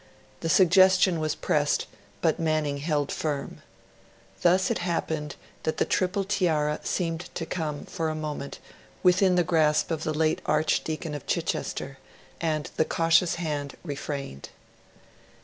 The suggestion was pressed, but Manning held firm. Thus it happened that the Triple Tiara seemed to come, for a moment, within the grasp of the late Archdeacon of Chichester; and the cautious hand refrained.